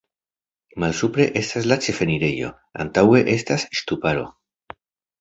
Malsupre estas la ĉefenirejo, antaŭe estas ŝtuparo.